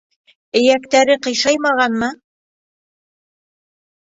Эйәктәре ҡыйшаймағанмы!